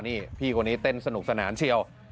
นี่พี่คนนี้เต้นสนุกสนานเชียว